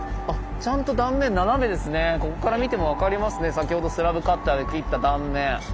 先ほどスラブカッターで切った断面。